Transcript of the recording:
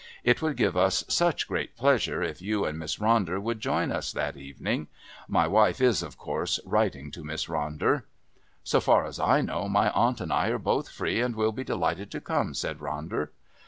It would give us such great pleasure if you and Miss Ronder would join us that evening. My wife is, of course, writing to Miss Ronder." "So far as I know, my aunt and I are both free and will be delighted to come," said Ronder.